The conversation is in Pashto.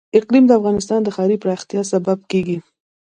اقلیم د افغانستان د ښاري پراختیا سبب کېږي.